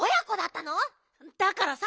だからさ